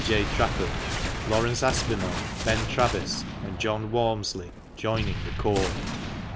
J. Trafford ; Laurence Aspinall, Ben Travis, and John Walmsley joining the corps.